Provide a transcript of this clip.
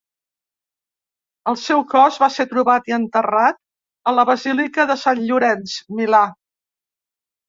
El seu cos va ser trobat i enterrat a la Basílica de Sant Llorenç, Milà.